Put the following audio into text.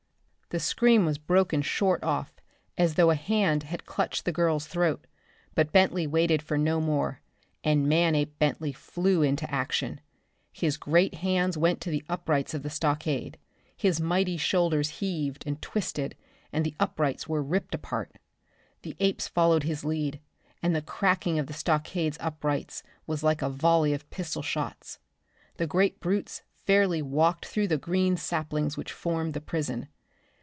The scream was broken short off as though a hand had clutched the girl's throat, but Bentley waited for no more and Manape Bentley flew into action. His great hands went to the uprights of the stockade. His mighty shoulders heaved and twisted and the uprights were ripped apart. The apes followed his lead, and the cracking of the stockade's uprights was like a volley of pistol shots. The great brutes fairly walked through the green saplings which formed the prison.